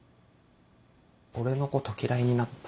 俺のこと嫌いになった？